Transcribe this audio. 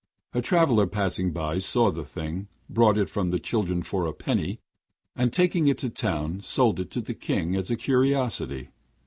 A traveller passing by saw the thing, bought it from the children for a penny, and taking it to town sold it to the King as a curiosity.